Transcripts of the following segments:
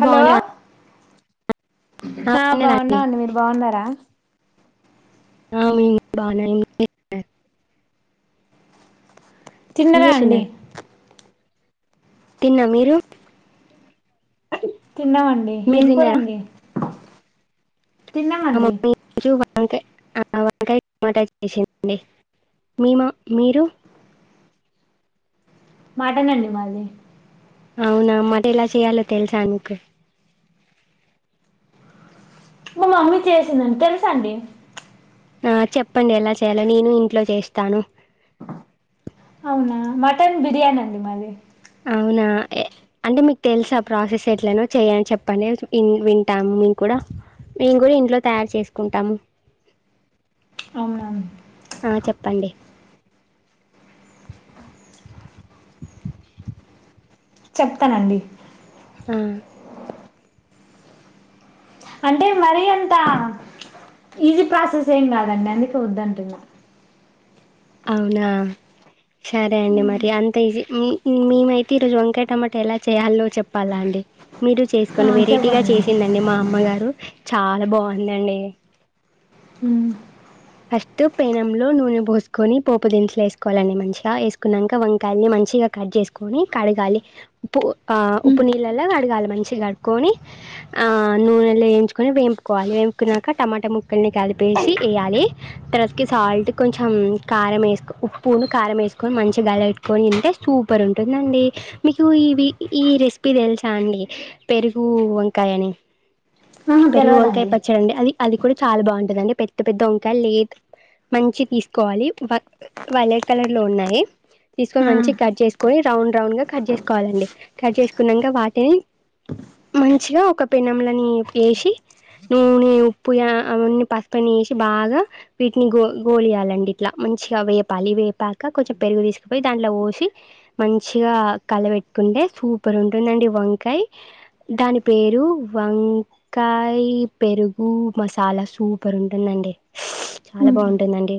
Hello ఆ బాగున్నారా అండి బాగున్నామండి మీరు బాగున్నారా [unintelligible] ఏం చిన్నగా అండి చేస్తున్నారు తిన్నా మీరు తిన్నామండి మీరు ఏం తిన్నారా కూరండి మా తినమండి మమ్మీ ఈరోజు వంకాయ ఆ వంకాయ టమాటా చేసిందండి మ మా మీరు మటనండి మాది అవునా మటన్ ఎలా చెయాలో తెలుసా మీకు మా మమ్మీ చేసిందండి తెలుసా అండి ఆ చెప్పండి ఎలా చేయలో నేను ఇంట్లో చేస్తాను అవునా మటన్ బిర్యానీ అండి మాది అవునా అంటే మీకు తెలుసా ఆ ప్రాసెస్ ఎట్లనో చేయని చెప్పండి వింటాము మీము కూడా మేము కూడా ఇంట్లో తయారు చేసుకుంటాము అవునా ఆ చెప్పండి చెప్తానండి ఆ అంటే మరి అంత ఈజీ ప్రాసెస్ ఏం కాదండి అందకే వద్దంటున్న అవునా సరే అండి మరి అంత ఈజీ మీ మేమైతే ఈరోజు వంకాయ టమాటా ఎలా చేయాలో చెప్పాలా అండి మీరు చేసు ఆ కొన్ని వెరైటీ గా చెప్పండి చేసిందండి మా అమ్మగారు చాలా బాగుందండి మ్ ఫస్ట్ పేనెంలో నూనె పోసుకొని పోపు దినుసులు వేసుకోవాలండి మంచిగా వేసుకున్నాక వంకాయలని మంచిగా కట్ చేసుకొని కడగాలి ఉప్పు ఉమ్. ఉప్పు నీళ్ళలో కడగాలి మంచిగా కడుకొని నూనెలో వేయించుకొని వేంపుకోవాలి వేంపుకున్నాక టమాటా ముక్కల్ని కలిపేసి వేయాలి తర్వాతకి సాల్ట్ కొంచెం కారం వేసుకో ఉప్పుని కారం వేసుకొని మంచిగాలెట్టుకొని తంటే సూపర్ ఉంటుందండి మీకు ఈవి ఈ రెసిపీ తెలుసా అండి పెరుగు వంకాయని ఆహా పెరుగు వంకాయ తెలవదండి పచ్చడండి అది అది కూడా చాలా బాగుంటదండి డి పెద్ద పెద్ద ఒప్పు లే మంచిగా తీసుకోవాలి వైలెట్ కలర్ లో ఉన్నాయి తీసుకొని ఆ మంచి కట్ చేసుకొని రౌండ్ రౌండ్ గా కట్ చేసుకోవాలండి కట్ చేసుకున్నాక వాటిని మంచిగా ఒక పెనము లోకి వేసి నూనె ఉప్పుగా అ వన్నీ పసుపుని వేసి బాగా వీటిని గో గోలియాలండి ఇట్లా మంచిగా వేపాలి వేపాక కొంచెం పెరుగు తీసుకుపోయి దాంట్లో పోసి మంచిగా కలబెట్టుకుంటే సూపర్ ఉంటుందండి వంకాయ దాని పేరు వంకాయ పెరుగు మసాలా సూపర్ ఉంటుందండి చాలా ఉమ్. బాగుంటుందండి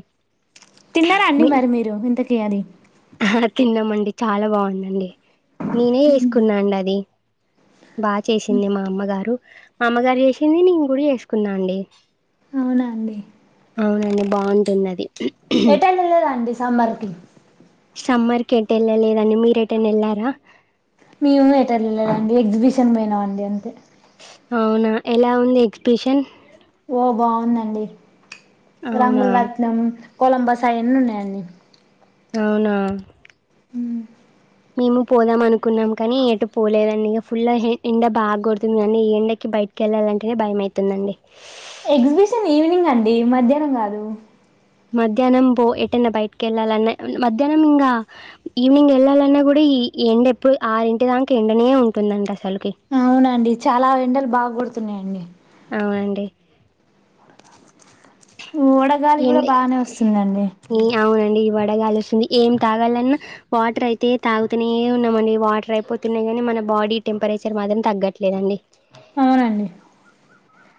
తిన్నారా అండి మీ మరి మీరు ఇంతకీ అది అమండి చాలా బాగుందండి నేనే వసుకున్నాండి అది బాగా చేసింది మా అమ్మగారు అమ్మగారు చేసింది నేను కూడా చేసుకున్నా అండి అవునా అండి అవునండి బాగుంటుందది రండి సమ్మర్ కి సమ్మర్ కి ఎటు వెళ్ళలేదండి మీరెటైనా వెళ్ళారా మేము ఏటెళ్ళలేదండి ఎగ్జిబిషన్ పోయినాం అండి అంతే అవునా ఎలా ఉంది ఎగ్జబిషన్ ఓ బాగుందండి అవునా రంగలు రాట్నము కొలంబస్ అయన్నీ ఉన్నాయండి అవునా ఉ మేము పోదాం అనుకున్నాం కానీ ఎటు పోలేదండి ఇక ఫుల్ ఎండ బాగ కొడుతుంది కానీ ఈ ఎండకి బయటకి వెళ్ళాలింటేనే భయమవుతుందండి ఎగ్జిబిషన్ ఈవినింగ్ అండి మధ్యాహ్నం కాదు మధ్యాహ్నం పో ఎటన్నా బయటకి వెళ్ళాలన్నా మధ్యాహ్నంగా ఈవినింగ్ వెళ్ళాలన్నా కూడా ఈ ఎండ ఎప్పుడు ఆరింటి దాక ఎండనే ఉంటుందండి అసలు అవునండి చాలా ఎండలు బాగకొడుత [unintelligible] అవునండి వడగాలి కూడా ఎండ బాగానే వస్తుందండి బాగా గాలి వస్తుంది ఏం తాగాలన్నా వాటర్ అయితే తాగుతూనే ఉన్నామండి వాటర్ అయిపోతున్నాయి కాని మన బాడీ టెంపరేచర్ మాత్రం తగ్గట్లేదండి అవునండి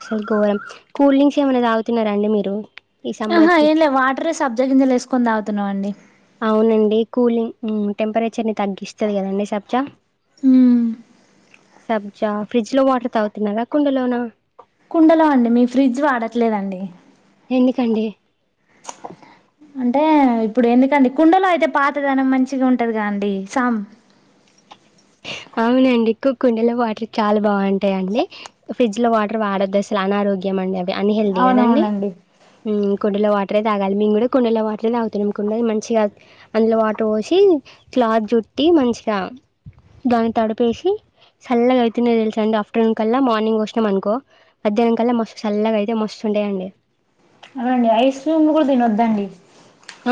స్వర్గ వారి కూల్ డ్రింక్స్ ఏమైనా తాగుతున్నారా అండి మీరు ఈ ఆహా సమ్మర్కి ఏం లేదు వాటరే సబ్జగింజలు వేసుకని తాగుతున్నాం అండి అవునండి కూలింగ్ హు టెంపరేచర్ ని తగ్గిస్తది కదండి సబ్జా హ్మ్మ్ సబ్జా ఫ్రిడ్జ్ లో వాటర్ తాగుతున్నారా కుండలోనా కుండలో అండి మీ ఫ్రిడ్జ్ వాడట్లేదండి ఎందుకండి అంటే ఇప్పుడు ఎందుకండి కుండలో అయితే పాతదనం మంచిగా ఉంటదిగా అండి సామ్ అవునండి కు కుండెలో వాటర్ చాలా బాగుంటాయిండి ఫ్రిడ్జ్ లో వాటర్ వాడొద్దు అసలు అనారోగ్యం అండి అవి అన్ హెల్దీ కదండి అవునవునండి హు కుండల వాటరే తాగాలి మేము కూడా కుండల లో వాటర్ే యే తాగుతున్నాం కుండను మంచిగా అందులో వాటర్ పోసి క్లాత్ జుట్టి మంచిగా దాన్ని తడిపేసి సల్లగా అయితేండే తెలుసు అండి ఆఫ్టర్నూన్ కల్లా మార్నింగ్ పోసినాం అనుకో మధ్యాహ్నం కల్లా మస్తు చల్లగా అయితే మస్తుండాయండి అవునండి ఐస్ క్రీమ్లు కూడా తినొద్దండి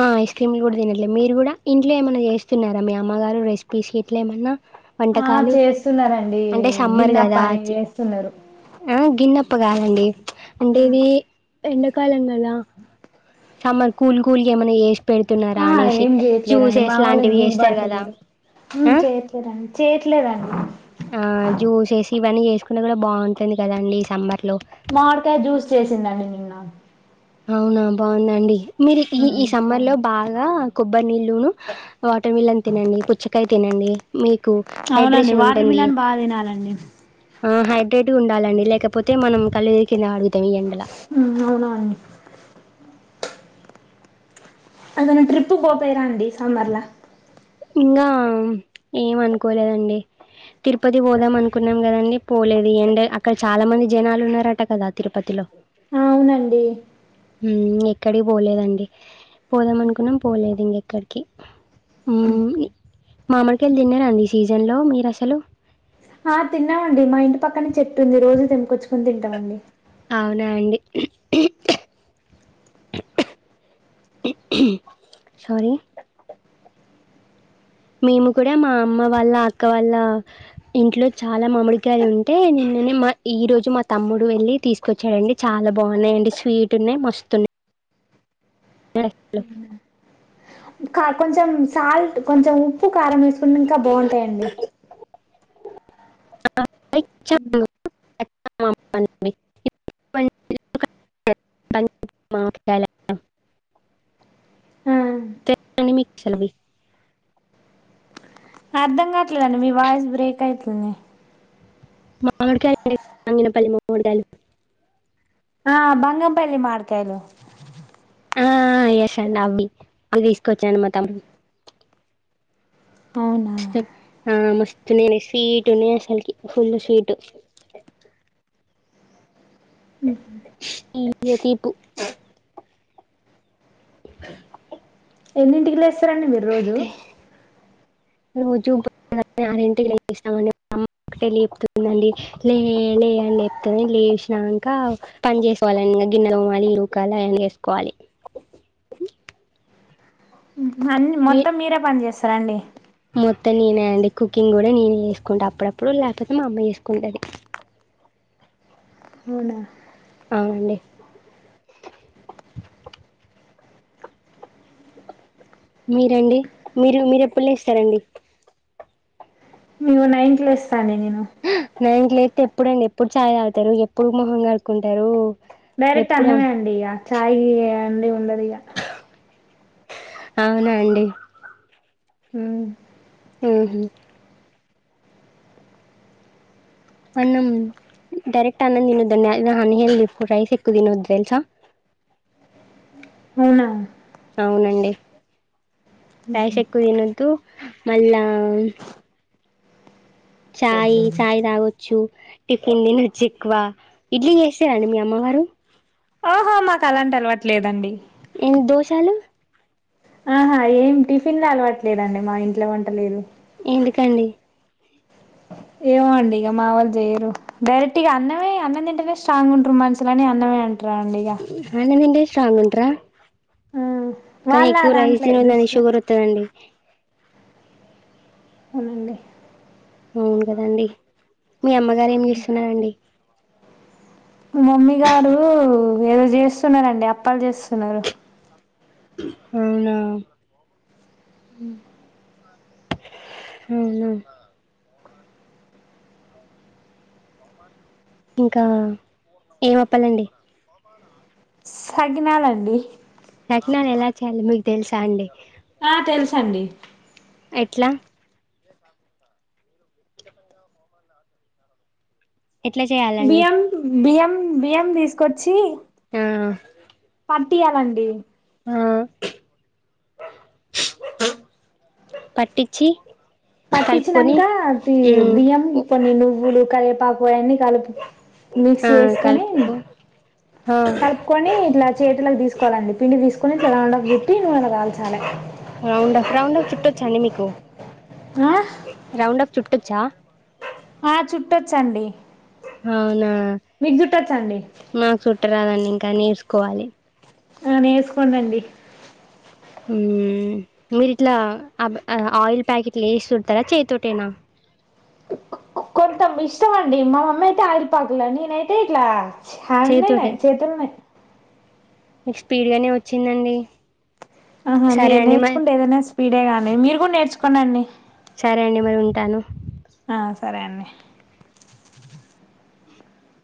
ఆ ఐస్ క్రీమ్లు కూడా తినట్లే మీరు కూడా ఇంట్లో ఏమన్నా చేస్తున్నారా మీ అమ్మగారు రెసిపీస్ ఇట్ల ఏమన్నా ఆ వంటకాలు చేస్తున్నార డి అంటే సమ్మర్ గిన్నెప్పని చేస్తున్నారు గిన్నప్ప కాదండి అంటే ఇది ఎండాకాలం కదా సమ్మర్ కూల్ కూల్ గా ఏమన్నా చేస్ ఆ ఏం చెయట్లేదండి మా వాళ్ళకి లాంటివి వీలు చేస్తారు కదా పడతలేదు హు ఆ చేయట్లేదండి చేయట్లేదా అండి ఆ జ్యూసెస్ ఇవన్నీ చేసుకుంట కూడా బాగుంటుంది కదాండి సమ్మర్ మామిడికాయ జ్యూస్ చేసిందండి నిన్న ఆమ్ అవునా బాగుందా అండి మీరు ఈ ఈ ఉమ్ సమ్మర్ లో అవును బాగా కొబ్బరి నీళ్ళును వాటర్ మిల్లన్ తినండి పుచ్చకాయ తినండి మీ అవునండి వాటర్మిిలన్ బాగా తినాలండి ఆ హైడ్రేట్గా ఉండాలండి లేకపోతే మనం కళ్ళు తిరిగి కింద అడుగుతాం ఈ ఎండల హుమ్ అవునా అండి ఏదన్న ట్రిప్పు కోపోయిరా అండి సమ్మర్ల ఇంగా ఏం అనుకోలేదండి తిరుపతి పోదాం అనుకున్నాం కదండి పోలేది అండ్ అక్కడ చాలా మంది జనాలు ఉన్నారట కదా తిరుపతిలో అవునండి హుమ్ ఎక్కడికి పోలేదండి పోదాం అనుకున్నాం పోలేదు ఇంకెక్కడికి హుమ్ మామడికాయలు తిన్నారా అండి ఈ సీజన్లో మీరు అసలు ఆ తిన్నామండి మా ఇంటి పక్కనే చెట్టు ఉంది రోజు తెంపుకొచ్చుకని తింటామండి అవునా అండి సారీ మేము కూడా మా అమ్మ వాళ్ళ అక్క వాళ్ళ ఇంట్లో చాలా మామిడికాయలు ఉంటే నిన్ననే మా ఈ రోజు మా తమ్ముడు వెళ్ళి తీసుకొచ్చాడండి చాలా బాగున్నాయండి స్వీట్ ఉన్నాయి మస్తున్నాయి అ [inaudible] కొంచెం సాల్ట్ కొంచెం ఉప్పు కారం వేసుకుంట ఇంకా బాగుంటాయండి ఖచ్చితంగా మామిడికాయలు ఆ అయితే అండి మీకు అసలు అవి అర్ధం కావట్లేదండి మీ వాయిస్ బ్రేక్ అయిట్లండి మాంగయ అ ప మాయ ఆ బంగంపల్లి మతాయలు ఆ యష్ అండి అవవి అవి తీసుకొచ్చాం మా తము అవునా ఆ మస్తు నేనే సీట్ ఉన్నాయి అసల కి ఫుల్ స్వీట్ హమ్ ఎ తీపు ఎందుంటల్ సారండి మీరు రోజు అంతే. రోజు అరమ్ లేపుతుందిండి లే లేండి లేపుతు లేపిసినాక పని చేసుకోవాలండి ఇంకా గిన్నెలో అమ్మాలి ఇరుకాలి అని వేసుకోవాలి అన్న మొత్తం మీరే పని చేస్తారు సరండి మొత్తం నేనే అండి కుకింగ్ కూడా నేనే చేసుకుంటా అప్పుడప్పుడు లేకపోతే మా అమ్మయి చేసుకుంటది మవున్న అవునే మీరండి మీరు మీరుెప్పుడులో ఇస్తారంండి నైన్త్ ప్లస్ పండ నేను ఎప్పుడుండి ఎప్పుడు చాయ్ తాగుతారు ఎప్పుడు మొహంంగా కడుకుంటారు డైరెక్ట అన్నమే అండి చాయ్ ఛాయ అందడి ఉండదిగా అవునా అండి హ ఆహ అన్న డైరెక్ట్ అన్నం తినదండి అ హదిప్పు రైస్ ఎక్కు తినోద్ తెల్సా హవునా అవునండి రయశెక్కు దినదు మళ్ళా చాయ్ చాయ్ తాగొచ్చు టిఫిన్ నినుచ్చి ఎక్కువ ఇడ్లీ చేసారండి మీ అమ్మ వారు ఆహో మాకు అలాంటి అలవట్లేదండి ఎన్ని దోషాలు ఆహా ఏం టిఫిన్ లో అలవట్లేదండి మా ఇంట్లో ఏ వంటలేదు ఎందుకండి ఏమో అండి ఇక మా వాళ్ళు చెయ్యరు డైరెక్ట్ ఇక అన్నమే అన్నం తింటేనే స్ట్రాంగ్ ఉంట్ర మనుషులని అన్నమే అంటారు అట్రా్రాడియా సా మంత్రా కానీ వాళ్ళ ఎక్కువ దాంట్లే రైస్న్ ఉందంని దృష్టిలో షుగర్ వతుందండి అవునండి అవును కదండి మీ అమ్మగారు ఏం చేూస్తున్నారండి మమ్మీ గారు ఏదో చేస్తున్నండి అప్పలు చేస్తున్నారు అవునా హ అవునా ఇంకా ఏంప్పాలండి తగినాలండి కట్నాలు ఎలా చేయాలి మీకు తెలుసా అండి ఆ తెలుస అండి ఎట్లా ఎట్లా చేయాలండి బయం బయమ్ బియ్యం తీసుకొచ్చి ఆ పటీయ్యాలండి ఆ పటిచ్చి పట్టించినంక తి బియ్యం కొన్ని నువ్వులు కరేపాకు పో అన్ని కలుపు ఆ మిక్సీ వేసుకొని కలుపుకో ఆ కలుపుకొని ఇట్లా చేతులకు తీసుకోవాలండి పిండి తీసుకొని ఇట్లాలా రౌండప్ చుట్టి నూనె లో కాల్చాలే రౌండ్ అప్ రౌండ్ అప్ చుట్టొచ్చా అండి ఆ రౌండప్ చుట్టచ్చా ఆ చుట్టొచ్చండి అవునా మీకు చుట్టొచ్చండి మాకు చుట్టరాదండి ఇంకా నేర్సుకోవాలి ఆ నేసుకోండండి హ్మ్ మీరి ఇట్లా ఆయిల్ ప్యాకెట్లు వేసి చుడతారా చేత్తోటేనా కొంతం ఇష్టం అండి మా మమ్మీ అయితే ఆలిపాకుల నేనైతే ఇట్లా హేండ్ లేనా చేతితోటే చేతులన్నే మీకు స్పీడ్గానే వచ్చిందండి ఆహా నే సరే అండి మరి నేర్చుకుంటే ఏదైనా పీడేగానే మీరు కూడా నేర్చుకోనండి సరే అండి మరి ఉంటాను ఆ సరే అండి